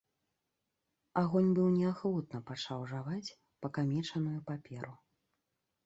Агонь быў неахвотна пачаў жаваць пакамечаную паперу.